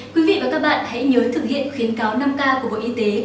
quý vị và các bạn hãy nhớ thực hiện khuyến cáo năm k của bộ y tế